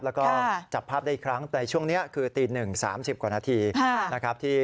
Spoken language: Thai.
แล้วก็จับภาพได้อีกครั้งในช่วงนี้คือตี๑๓๐กว่านาทีนะครับ